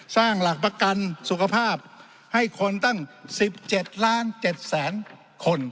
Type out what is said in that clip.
สร้างหลักประกันสุขภาพให้คนตั้ง๑๗ล้าน๗๗๐๐๐คน